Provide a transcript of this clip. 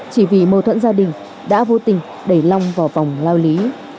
chỉ vì mâu thuẫn gia đình đã vô tình đẩy long vào vòng lao lý